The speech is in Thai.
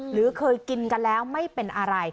หรือเคยกินกันแล้วไม่เป็นอะไร